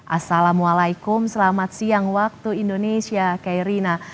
assalamualaikum selamat siang waktu indonesia kairina